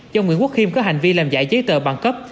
do nguyễn quốc khiêm có hành vi làm giải giấy tờ bằng cấp